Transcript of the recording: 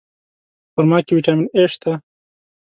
په خرما کې ویټامین A شته.